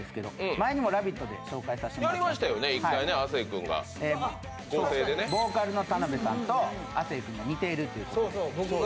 前にも「ラヴィット！」で紹介させていただいてボーカルの田邊さんと亜生君が似ている。